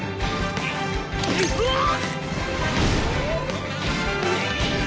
うわっ！